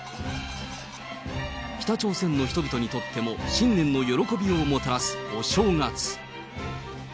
北朝鮮の人々にとっても新年の喜びをもたらすお正月。